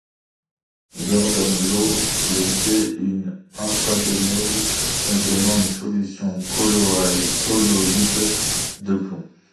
Gordon Low l'essaie, une intraveineuse contenant une solution colloïdale de plomb.